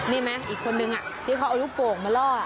นี่มั้ยอีกคนนึงที่เค้าเอารูปโบกมาล่อ